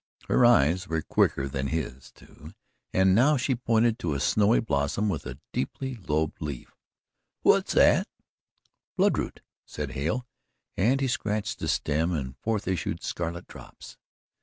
Her eyes were quicker than his, too, and now she pointed to a snowy blossom with a deeply lobed leaf. "Whut's that?" "Bloodroot," said Hale, and he scratched the stem and forth issued scarlet drops.